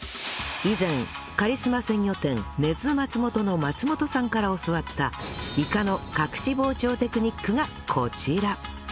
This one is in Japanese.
以前カリスマ鮮魚店根津松本の松本さんから教わったイカの隠し包丁テクニックがこちら